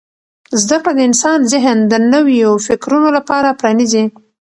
زده کړه د انسان ذهن د نویو فکرونو لپاره پرانیزي.